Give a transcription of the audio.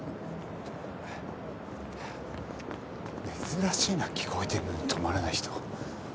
珍しいな聞こえてるのに止まらない人。